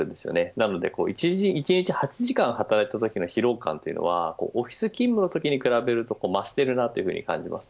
なので１日８時間働いたときの疲労感がオフィス勤務のときに比べると増しているなと感じます。